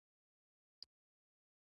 په ټولنیز ژوند کې راتلونکي پسرلي دي.